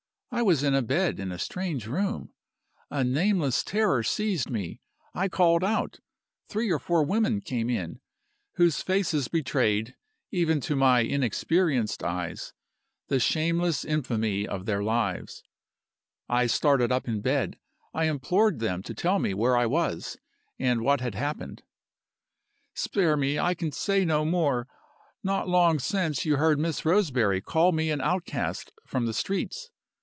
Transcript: I was in a bed in a strange room. A nameless terror seized me. I called out. Three or four women came in, whose faces betrayed, even to my inexperienced eyes, the shameless infamy of their lives. I started up in the bed. I implored them to tell me where I was, and what had happened "Spare me! I can say no more. Not long since you heard Miss Roseberry call me an outcast from the streets.